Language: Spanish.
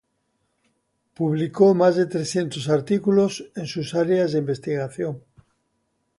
Publicó más de trescientos artículos en sus áreas de investigación.